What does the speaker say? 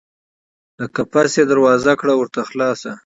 د قفس یې دروازه کړه ورته خلاصه